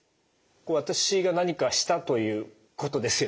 私が何かしたということですよね？